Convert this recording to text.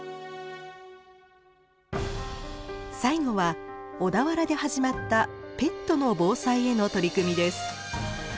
最後は小田原で始まったペットの防災への取り組みです。